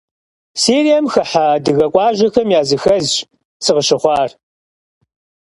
Сирием хыхьэ адыгэ къуажэхэм языхэзщ сыкъыщыхъуар.